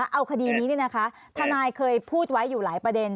เอาคดีนี้ทนายเคยพูดไว้อยู่หลายประเด็น